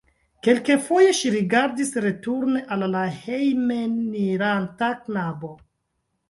Kelkafoje ŝi rigardis returne al la hejmeniranta knabo.